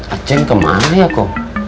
aceh kemana ya ko